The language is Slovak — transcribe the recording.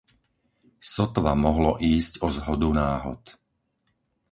Sotva mohlo ísť o zhodu náhod.